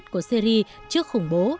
của syri trước khủng bố